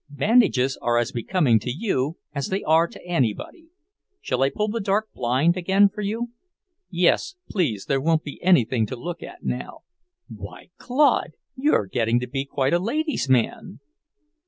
Bandages are as becoming to you as they are to anybody. Shall I pull the dark blind again for you?" "Yes, please. There won't be anything to look at now." "Why, Claude, you are getting to be quite a ladies' man!"